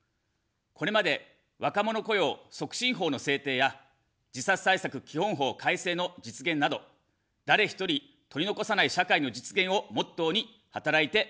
これまで若者雇用促進法の制定や自殺対策基本法改正の実現など、誰一人取り残さない社会の実現をモットーに働いてまいりました。